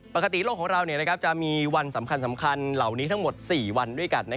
ปกติโลกของเราจะมีวันสำคัญเหล่านี้ทั้งหมด๔วันด้วยกัน